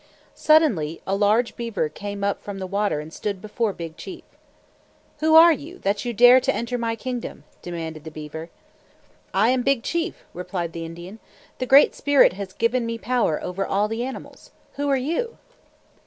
Suddenly a large beaver came up from the water and stood before Big Chief. "Who are you, that you dare to enter my kingdom?" demanded the beaver. "I am Big Chief," replied the Indian. "The Great Spirit has given me power over all the animals. Who are you?"